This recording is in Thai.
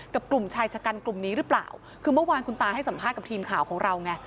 กลุ่มชายชะกันกลุ่มนี้หรือเปล่าคือเมื่อวานคุณตาให้สัมภาษณ์กับทีมข่าวของเราไง